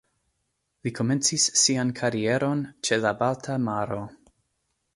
Li komencis sian karieron ĉe la Balta Maro.